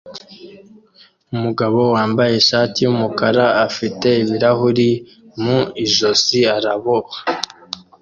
Umugabo wambaye ishati yumukara afite ibirahuri mu ijosi araboha